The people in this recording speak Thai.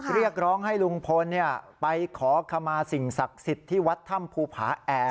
เรียกร้องให้ลุงพลไปขอขมาสิ่งศักดิ์สิทธิ์ที่วัดถ้ำภูผาแอร์